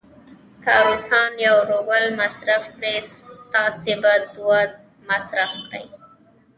که روسان یو روبل مصرف کړي، تاسې به دوه مصرف کړئ.